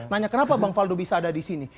nanya kenapa bang faldo bisa ada disini